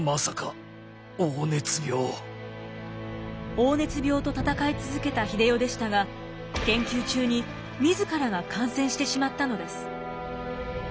黄熱病と闘い続けた英世でしたが研究中に自らが感染してしまったのです。